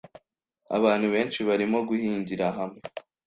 Abantu benshi barimo guhingira hamwe